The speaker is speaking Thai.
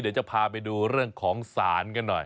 เดี๋ยวจะพาไปดูเรื่องของศาลกันหน่อย